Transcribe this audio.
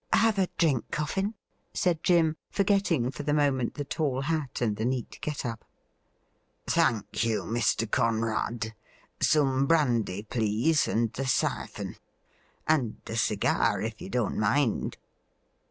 ' Have a drink. Coffin ?' said Jim, forgetting for the moment the tall hat and the neat get up. ' Thank you, Mr. Conrad ; some brandy, please, and the syphon ; and a cigar, if you don't mind.'